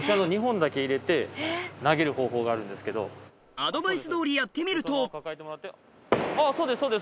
アドバイス通りやってみるとそうですそうです。